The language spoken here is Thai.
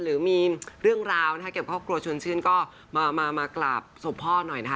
หรือมีเรื่องราวนะคะกับครอบครัวชวนชื่นก็มากราบศพพ่อหน่อยนะคะ